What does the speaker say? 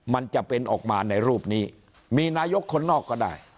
มันจะเป็นออกมาในรูปนี้มีนายกคนนอกก็ได้